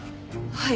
はい。